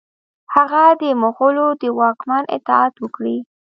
هغه د مغولو د واکمن اطاعت وکړي.